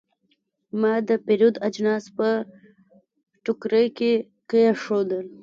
ما د پیرود اجناس په ټوکرۍ کې کېښودل.